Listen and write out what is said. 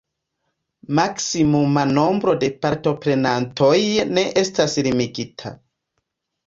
Maksimuma nombro de partoprenantoj ne estas limigita.